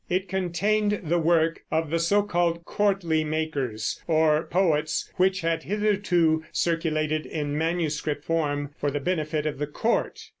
It contained the work of the so called courtly makers, or poets, which had hitherto circulated in manuscript form for the benefit of the court.